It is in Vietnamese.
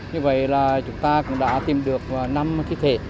như vậy là chúng ta cũng đã tìm được năm thi thể